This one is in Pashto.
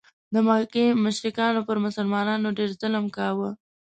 د مکې مشرکانو پر مسلمانانو ډېر ظلم کاوه.